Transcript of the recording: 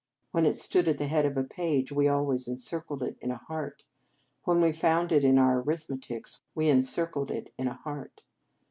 When it stood at the head of a page, we always encircled it in a heart. When we found it in our arithmetics, we en circled it in a heart.